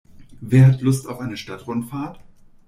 Wer hat Lust auf eine Stadtrundfahrt?